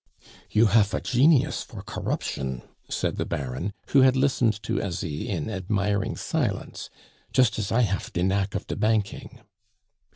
"You hafe a genius for corruption," said the Baron, who had listened to Asie in admiring silence, "just as I hafe de knack of de banking."